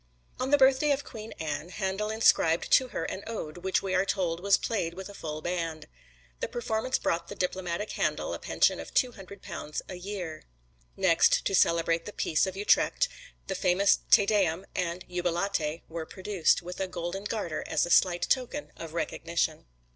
On the birthday of Queen Anne, Handel inscribed to her an ode, which we are told was played with a full band. The performance brought the diplomatic Handel a pension of two hundred pounds a year. Next, to celebrate the peace of Utrecht, the famous "Te Deum" and "Jubilate" were produced, with a golden garter as a slight token of recognition.